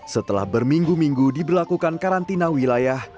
setelah berminggu minggu diberlakukan karantina wilayah